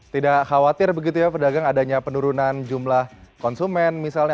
tidak khawatir begitu ya pedagang adanya penurunan jumlah konsumen misalnya